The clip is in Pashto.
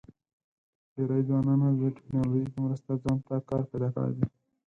ډېری ځوانانو د ټیکنالوژۍ په مرسته ځان ته کار پیدا کړی دی.